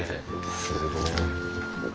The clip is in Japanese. すごい。